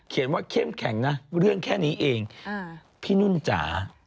ว่าเข้มแข็งนะเรื่องแค่นี้เองพี่นุ่นจ๋า